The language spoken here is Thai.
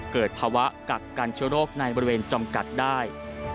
เกิดภาวะกักกันเชื้อโรคในบริเวณจำกัดได้